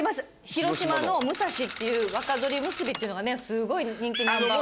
広島の「むさし」っていう「若鶏むすび」っていうのがねすごい人気ナンバーワンで。